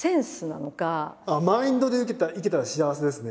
マインドでいけたら幸せですね。